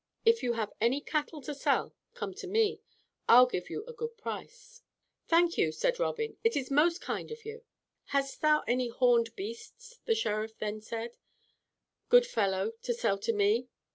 If you have any cattle to sell, come to me. I'll give you a good price." "Thank you," said Robin, "it is most kind of you." "Hast thou any horned beasts, the Sheriff then said, Good fellow, to sell to me?